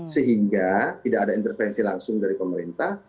sehingga tidak ada intervensi langsung dari pemerintah